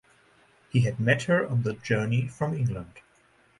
He had met her on the journey from England.